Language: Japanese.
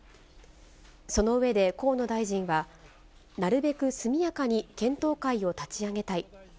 その上で河野大臣は、なるべく速やかに検討会を立ち上げたい。